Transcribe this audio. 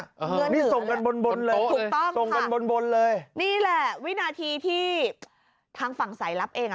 เงินนี่ส่งกันบนบนเลยถูกต้องส่งกันบนบนเลยนี่แหละวินาทีที่ทางฝั่งสายลับเองอ่ะ